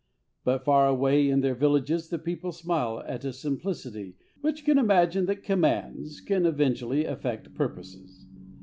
But far away in their villages the people smile at a simplicity which can imagine that commands can eventually affect purposes.